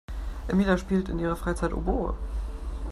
Emilia spielt in ihrer Freizeit Oboe.